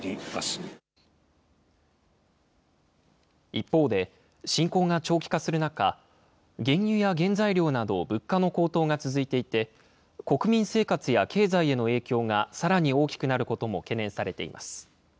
一方で、侵攻が長期化する中、原油や原材料など物価の高騰が続いていて、国民生活や経済への影響がさらに大きくなることも懸念されています。